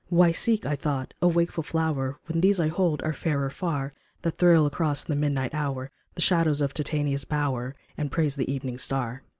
Why seek, I thought, a wakeful flower, When these I hold are fairer far, That thrill across the midnight hour The shadows of Titania's bower, And praise the evening star.